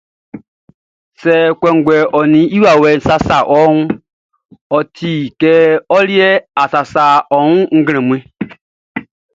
Sɛ kɔnguɛʼn ɔ ninʼn i wawɛʼn sasa wɔʼn, ɔ ti ɔ liɛ kɛ a sasa ɔ wun nglɛmun nunʼn.